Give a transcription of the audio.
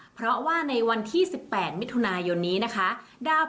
เพราะว่าในวันที่๑๘มิถุนายนนี้นะคะ